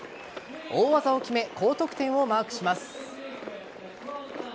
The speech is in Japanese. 大技を決め高得点をマークします。